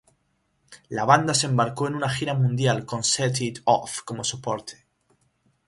La banda se embarcó en una gira mundial con Set It Off como soporte.